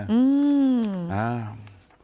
อืม